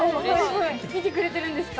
見てくれてるんですか？